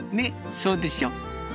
そうでしょ？